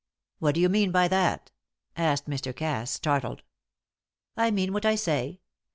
"What do you mean by that?" asked Mr. Cass, startled. "I mean what I say.